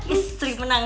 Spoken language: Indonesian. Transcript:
istri menang satu